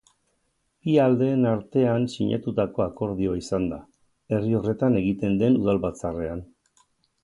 Bi aldeen artean sinatutako akordioa izan da, herri horretan egin den udalbatzarrean.